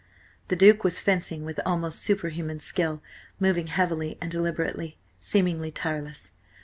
The Duke was fencing with almost superhuman skill, moving heavily and deliberately, seemingly tireless.